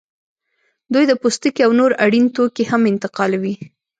دوی د پوستکي او نور اړین توکي هم انتقالوي